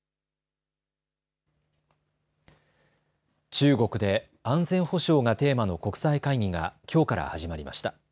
中国で安全保障がテーマの国際会議がきょうから始まりました。